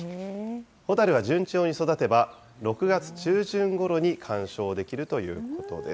ホタルは順調に育てば、６月中旬ごろに観賞できるということです。